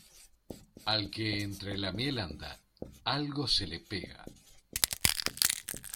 Al que entre la miel anda, algo se le pega.